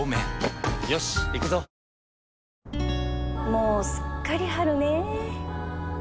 もうすっかり春ね